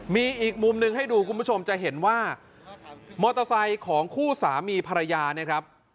มีอีกมุมหนึ่งให้ดูคุณผู้ชมจะเห็นว่ามอเตอร์ไซค์ของคู่สามีภรรยาเนี่ยครับ